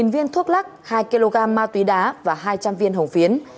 một mươi viên thuốc lắc hai kg ma túy đá và hai trăm linh viên hồng phiến